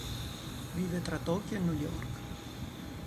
Vive tra Tokyo e New York.